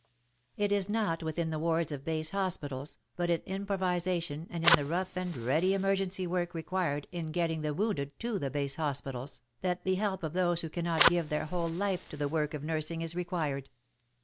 It is not within the wards of base hospitals, but in improvization and in the rough and ready emergency work required in getting the wounded to the base hospitals, that the help of those who cannot give their whole life to the work of nursing is required.